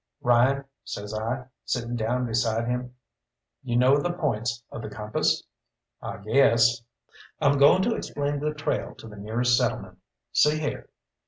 "Ryan," says I, sitting down beside him, "you know the points of the compass?" "I guess." "I'm going to explain the trail to the nearest settlement; see here."